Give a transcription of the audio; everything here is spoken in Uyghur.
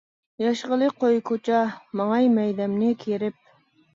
ياشىغىلى قوي كوچا، ماڭاي مەيدەمنى كېرىپ.